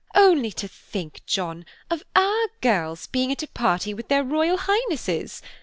Only to think, John, of our girls being at a party with their Royal Highnesses.